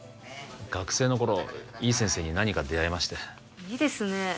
学生の頃いい先生に何人か出会いましていいですね